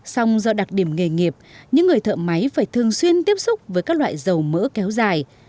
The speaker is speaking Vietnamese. xong do đặc điểm nghề nghiệp những người thợ máy phải thường xuyên tiếp xúc với các loại dầu mỡ kéo dài